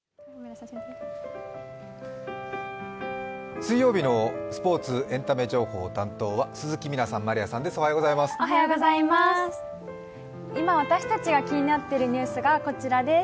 水曜日のスポーツ、エンタメ情報担当は鈴木みなさん、まりあさんです。